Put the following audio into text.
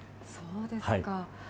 そうですか。